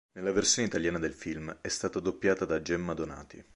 Nella versione italiana del film è stata doppiata da Gemma Donati.